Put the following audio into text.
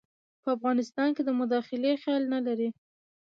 په افغانستان کې د مداخلې خیال نه لري.